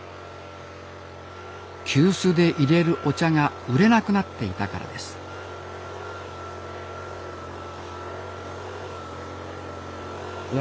急須でいれるお茶が売れなくなっていたからですいや